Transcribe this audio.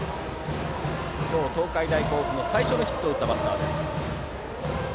今日、東海大甲府の最初のヒットを打ったバッター。